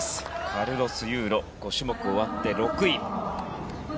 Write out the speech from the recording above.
カルロス・ユーロ５種目終わって６位。